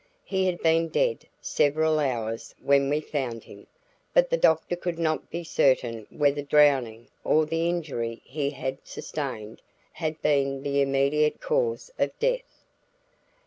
He had been dead several hours when we found him, but the doctor could not be certain whether drowning, or the injury he had sustained, had been the immediate cause of death.